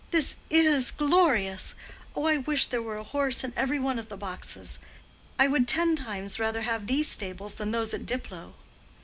"This is glorious! Only I wish there were a horse in every one of the boxes. I would ten times rather have these stables than those at Diplow."